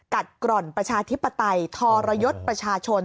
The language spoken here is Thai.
กัดกรรมประชาธิปไตยทรยศประชาชน